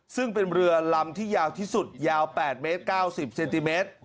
ซึ่งเป็นเรือลำที่ยาวที่สุดยาว๘เมตร๙๐เซนติเมตร